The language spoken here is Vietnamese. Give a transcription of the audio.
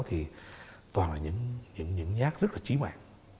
thì toàn là những những nhát rất là chí mạng